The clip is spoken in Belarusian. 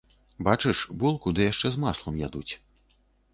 Бачыш, булку ды яшчэ з маслам ядуць.